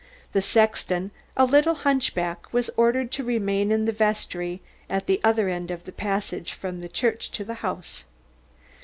The sexton, a little hunchback, was ordered to remain in the vestry at the other end of the passage from the church to the house.